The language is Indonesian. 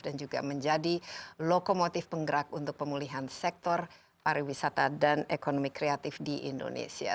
dan juga menjadi lokomotif penggerak untuk pemulihan sektor pariwisata dan ekonomi kreatif di indonesia